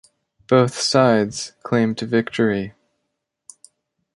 Both sides claimed victory.